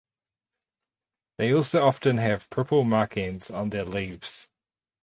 They also often have purple markings on their leaves.